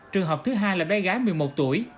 trường hợp thứ hai là bé gái một mươi một tuổi